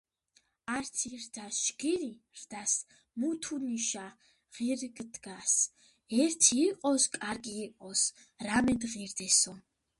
ართი რდას ჯგირი რდას მუთუნიშა ღირჷდას."ერთი იყოს კარგი იყოს რამედ ღირდესო